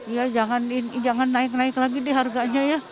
ya jangan naik naik lagi deh harganya ya